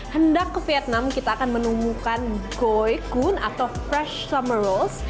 hendak ke vietnam kita akan menemukan goi kun atau fresh summer rolls